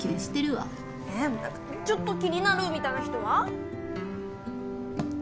え何かちょっと気になるみたいな人は？